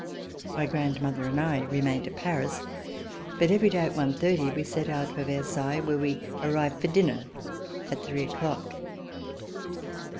My grandmother and I remained at Paris, but every day at one thirty we set out for Versailles where we arrived for dinner at three o'clock.